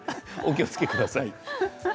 お気をつけください。